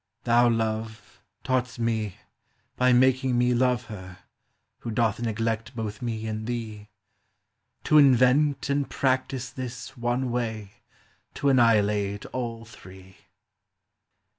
Thou, Love, taught'st me, by making me Love her, who doth neglect both me and thee, To invent and practise this one way to annihilate all three.